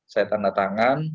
saya tanda tangan